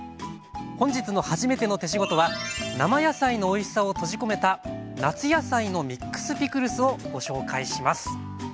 本日の「はじめての手仕事」は生野菜のおいしさを閉じ込めた夏野菜のミックスピクルスをご紹介します。